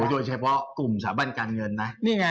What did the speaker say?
โดยเฉพาะกลุ่มสถาบันการเงินนะ